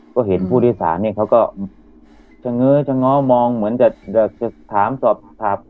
ก็เห็นผู้โดยสารเนี่ยเขาก็เฉง้อชะง้อมองเหมือนจะถามสอบถาม